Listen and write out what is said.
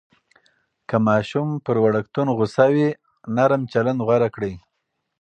که ماشوم پر وړکتون غوصه وي، نرم چلند غوره کړئ.